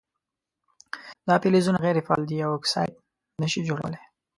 دا فلزونه غیر فعال دي او اکساید نه شي جوړولی.